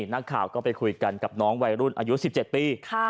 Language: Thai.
นักข่าวก็ไปคุยกันกับน้องวัยรุ่นอายุ๑๗ปี